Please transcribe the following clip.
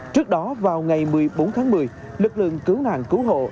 trước đó vào ngày một mươi bốn tháng một mươi lực lượng cứu nạn cứu hộ